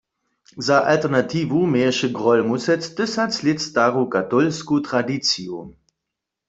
Za alternatiwu měješe Grólmusec tysac lět staru katolsku tradiciju.